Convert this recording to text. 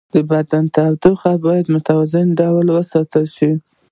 د بدن تودوخه باید په متوازن ډول وساتل شي.